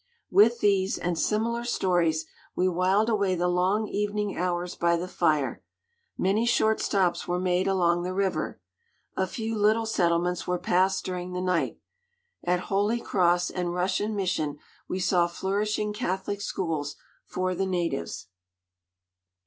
With these, and similar stories, we whiled away the long evening hours by the fire. Many short stops were made along the river. A few little settlements were passed during the night. At Holy Cross and Russian Mission we saw flourishing Catholic schools for the natives.